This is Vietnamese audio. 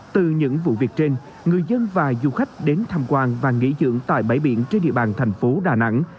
từ những vụ việc trên người dân và du khách đến tham quan và nghỉ dưỡng tại bãi biển trên địa bàn thành phố đà nẵng